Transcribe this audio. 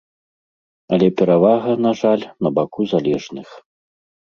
Але перавага, на жаль, на баку залежных.